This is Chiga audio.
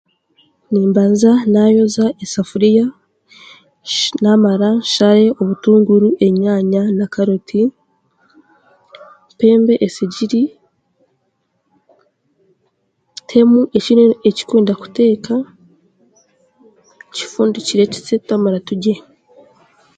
Nimbanza naayoza esafuriya, naamara nshare obutunguru, enyaanya, na karoti, mpembe esigiri, ntemu eki ndikwenda kuteeka, nkifundikire kisye twamara turye.